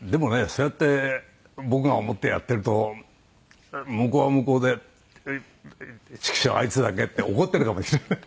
そうやって僕が思ってやってると向こうは向こうで「ちくしょうあいつだけ！」って怒ってるかもしれない。